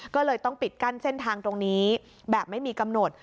ก็เลยต้องปิดกั้นเส้นทางตรงนี้แบบไม่มีกำหนด